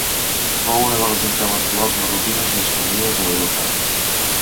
Fou una de les intel·lectuals marroquines més conegudes a Europa.